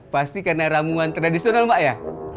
pasti karena ramungan tradisional ma ya